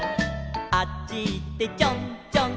「あっちいってちょんちょん」